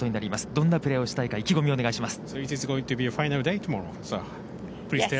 どんなプレーをしたいか、意気込みをお願いします。